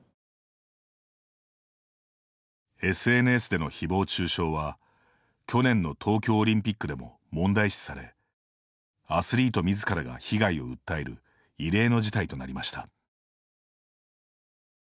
ＳＮＳでのひぼう中傷は去年の東京オリンピックでも問題視されアスリートみずからが被害を訴える異例の事態となりました。